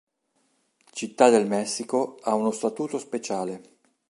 Città del Messico ha uno statuto speciale.